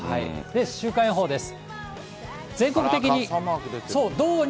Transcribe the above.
週間予報です。